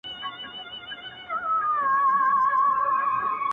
o په خپله غـېــږه كـــي خـــونـــونـــه كــــــــــړي.